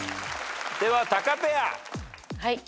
ではタカペア。